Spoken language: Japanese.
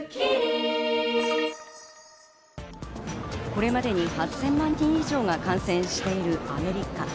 これまでに８０００万人以上が感染しているアメリカ。